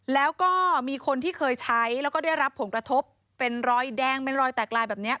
แล้วก็มีคนที่เคยใช้แล้วก็ได้รับผลกระทบเป็นรอยแดงเป็นรอยแตกลายแบบนี้